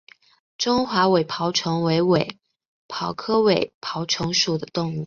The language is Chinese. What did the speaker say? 中华尾孢虫为尾孢科尾孢虫属的动物。